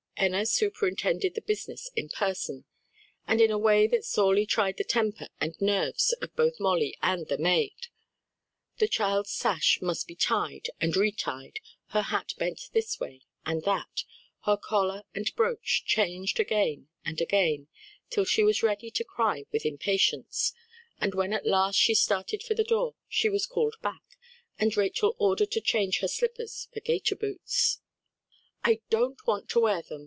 Enna superintended the business in person, and in a way that sorely tried the temper and nerves of both Molly and the maid; the child's sash must be tied and retied, her hat bent this way and that, her collar and brooch changed again and again, till she was ready to cry with impatience; and when at last she started for the door, she was called back, and Rachel ordered to change her slippers for gaiter boots. "I don't want to wear them!"